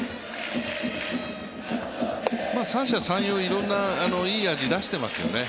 三者三様、いろんないい味出していますよね。